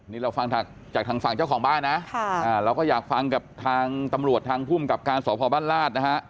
นี่เราฟังจากทางฝั่งเจ้าของบ้านนะเราก็อยากฟังกับทางตำรวจทางภูมิกับการสพบ้านราชนะฮะ